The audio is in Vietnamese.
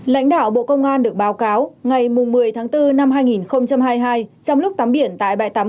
lãnh đạo bộ công an được báo cáo ngày một mươi tháng bốn năm hai nghìn hai mươi hai trong lúc tắm biển tại bãi tắm